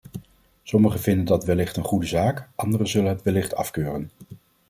Sommigen vinden dat wellicht een goede zaak, anderen zullen het wellicht afkeuren.